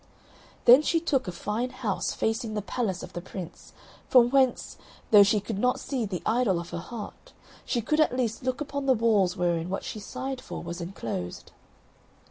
Then she took a fine house facing the palace of the Prince; from whence, though she could not see the idol of her heart, she could at least look upon the walls wherein what she sighed for was enclosed.